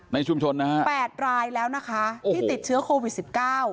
ในชุมชนนะฮะ๘รายแล้วนะคะที่ติดเชื้อโควิด๑๙